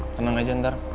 tenang aja ntar